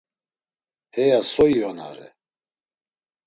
Heya so iyonare?